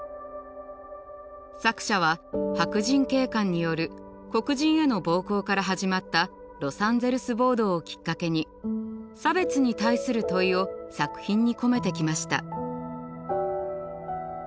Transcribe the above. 作者は白人警官による黒人への暴行から始まったロサンゼルス暴動をきっかけに差別に対する問いを作品に込めてきました。